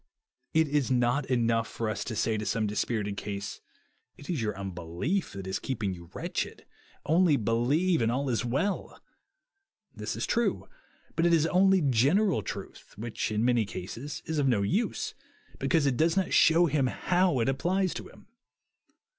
It is not enough for us to saj to some dispirited cae, It is your unbelief that is 3^ god's CHARACIER keeping you wretched ; only believe and all is well. This is true ; but it is only (jQUGval truth ; which, in many cases, is of [10 use, because it does not shew him how ib applies to him.